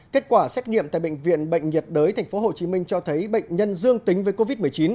kết quả xét nghiệm tại bệnh viện bệnh nhiệt đới tp hcm cho thấy bệnh nhân dương tính với covid một mươi chín